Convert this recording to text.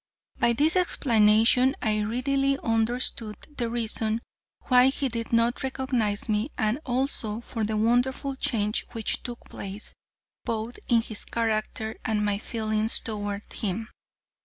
By this explanation I readily understood the reason why he did not recognize me and also for the wonderful change which took place, both in his character and my feelings toward him.